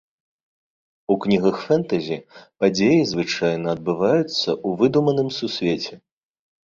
У кнігах фэнтэзі падзеі звычайна адбываюцца ў выдуманым сусвеце.